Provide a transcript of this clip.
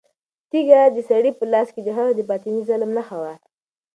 تیږه د سړي په لاس کې د هغه د باطني ظلم نښه وه.